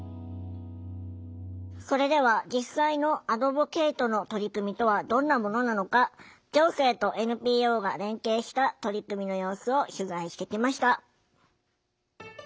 それでは実際のアドボケイトの取り組みとはどんなものなのか行政とＮＰＯが連携した取り組みの様子を取材してきました。